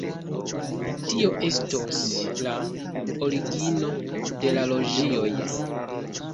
Tio estos la origino de la loĝioj.